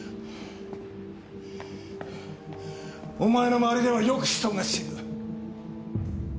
お前の周りではよく人が死ぬ。